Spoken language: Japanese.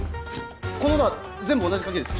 このドア全部同じ鍵ですか？